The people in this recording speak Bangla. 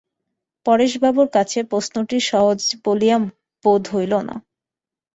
পরেশবাবুর কাছে প্রশ্নটি সহজ বলিয়া বোধ হইল না।